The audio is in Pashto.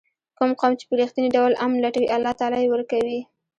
کوم قوم چې په رښتیني ډول امن لټوي الله تعالی یې ورکوي.